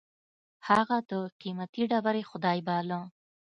هغه د قېمتي ډبرې خدای باله.